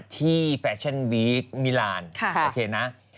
ที่แฟชั่นวีคมิรานด์โอเคนะค่ะ